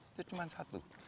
itu cuma satu